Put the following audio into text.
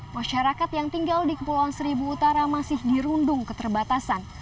masyarakat yang tinggal di kepulauan seribu utara masih dirundung keterbatasan